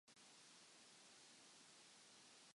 十年ほどの人生でそんな世界に出会ったことはなかった